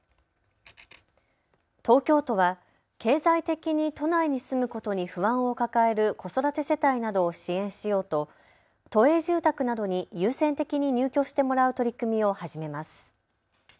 東京都は経済的に都内に住むことに不安を抱える子育て世帯などを支援しようと都営住宅などに優先的に入居してもらう取り組みを始めます。